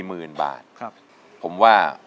คุณองค์ร้องได้